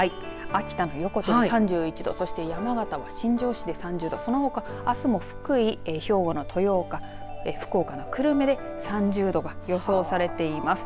秋田の横手３１度、山形新庄市で３０度そのほか福井、兵庫の豊岡福岡の久留米で３０度が予想されています。